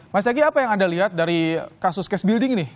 mas agi apa yang anda lihat dari kasus cash building ini